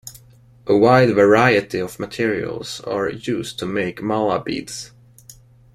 A wide variety of materials are used to make mala beads.